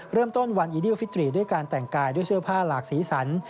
เริ่มต้นวันอีดีลฟิตรีด้วยการแต่งกายด้วยเสื้อผ้าหลากสีสัน